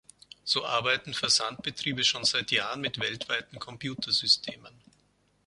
So arbeiten Versandbetriebe schon seit Jahren mit weltweiten Computersystemen.